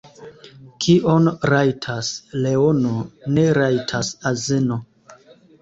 Kion rajtas leono, ne rajtas azeno.